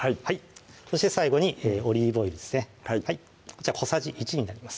そして最後にオリーブオイルですねこちら小さじ１になります